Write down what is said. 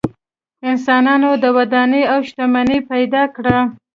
انسانانو ودانۍ او شتمنۍ پیدا کړه.